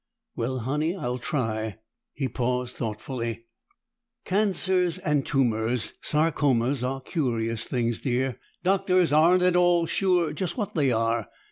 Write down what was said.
"Well, Honey I'll try." He paused thoughtfully. "Cancers and tumors sarcomas are curious things, Dear. Doctors aren't at all sure just what they are.